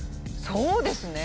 そうですね。